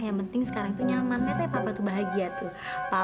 ya terserah ya pak ya kita